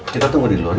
kita tunggu di luar